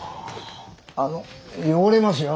あの汚れますよ。